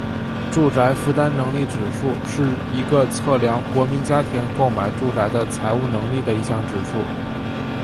住宅负担能力指数是一个测量国民家庭购买住宅的财务能力的一项指数。